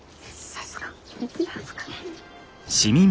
さすが。